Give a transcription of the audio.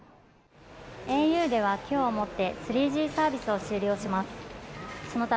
ａｕでは今日をもって３Ｇサービスを終了します。